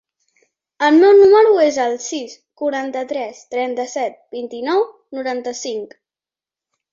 El meu número es el sis, quaranta-tres, trenta-set, vint-i-nou, noranta-cinc.